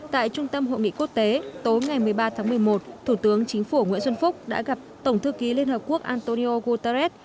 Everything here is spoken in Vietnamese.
tại trung tâm hội nghị quốc tế tối ngày một mươi ba tháng một mươi một thủ tướng chính phủ nguyễn xuân phúc đã gặp tổng thư ký liên hợp quốc antonio guterres